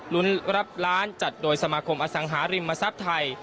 รุ้นรับล้านจัดโดยสมาคมอสังหาริมทรัพย์ไทย